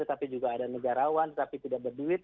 tetapi juga ada negarawan tetapi tidak berduit